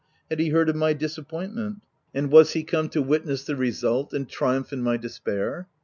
Had he heard of my disappointment ; and was he come to witness the result, and triumph in my de spair